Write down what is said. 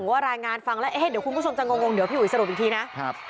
ว่ารายงานฟังแล้วเอ๊ะเดี๋ยวคุณผู้ชมจะงงเดี๋ยวพี่อุ๋ยสรุปอีกทีนะครับ